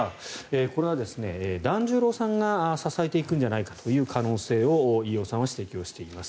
これは團十郎さんが支えていくんじゃないかという可能性を飯尾さんは指摘をしています。